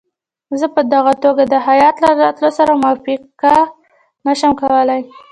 زه په دغه توګه د هیات له راتلو سره موافقه نه شم کولای.